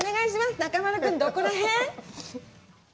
中丸君、どこら辺？